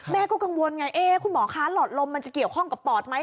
แม่ก็กังวลไงคุณหมอคะหลอดลมมันจะเกี่ยวข้องกับปอดไหม